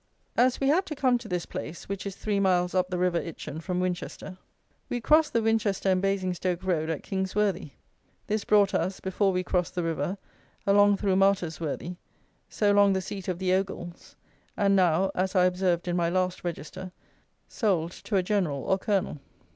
As we had to come to this place, which is three miles up the river Itchen from Winchester, we crossed the Winchester and Basingstoke road at King's Worthy. This brought us, before we crossed the river, along through Martyr's Worthy, so long the seat of the Ogles, and now, as I observed in my last Register, sold to a general or colonel.